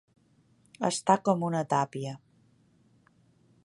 Està com una tàpia.